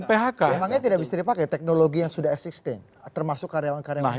phk emangnya tidak bisa dipakai teknologi yang sudah existing termasuk karyawan karyawan